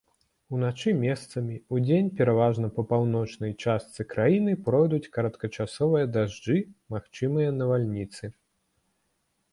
Уначы месцамі, удзень пераважна па паўночнай частцы краіны пройдуць кароткачасовыя дажджы, магчымыя навальніцы.